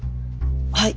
はい。